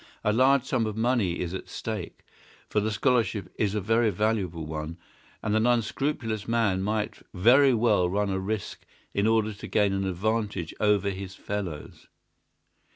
A large sum of money is at stake, for the scholarship is a very valuable one, and an unscrupulous man might very well run a risk in order to gain an advantage over his fellows.